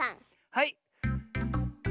はい。